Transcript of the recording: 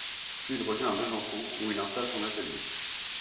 Puis il revient à Besançon où il installe son atelier.